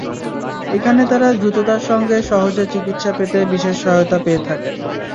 এখানে তাঁরা দ্রুততার সঙ্গে সহজে চিকিত্সা পেতে বিশেষ সহায়তা পেয়ে থাকেন।